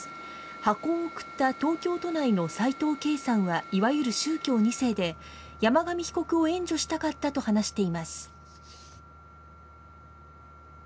箱を送った東京都内の斉藤恵さんはいわゆる宗教２世で、山上被告を援助したかったと話しています。